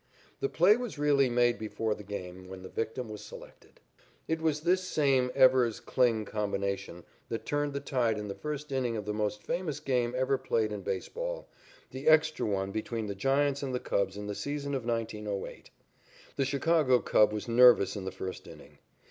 The play was really made before the game, when the victim was selected. It was this same Evers Kling combination that turned the tide in the first inning of the most famous game ever played in baseball, the extra one between the Giants and the Cubs in the season of 1908. The Chicago club was nervous in the first inning.